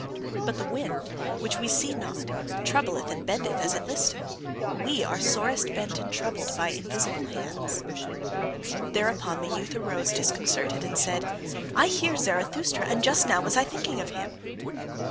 But the wind, which we see not, troubleth and bendeth it as it listeth. We are sorest bent and troubled by invisible hands." Thereupon the youth arose disconcerted, and said: "I hear Zarathustra, and just now was I thinking of him!"